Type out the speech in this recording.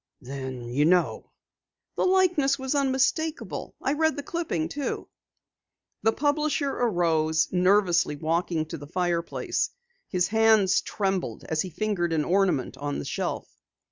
"Then you know?" "The likeness was unmistakable. I read the clipping, too." The publisher arose, nervously walking to the fireplace. His hands trembled as he fingered an ornament on the shelf.